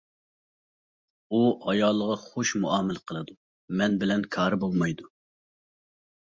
ئۇ ئايالىغا خۇش مۇئامىلە قىلىدۇ، مەن بىلەن كارى بولمايدۇ.